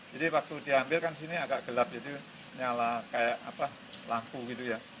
waktu diambil kan sini agak gelap jadi nyala kayak lampu gitu ya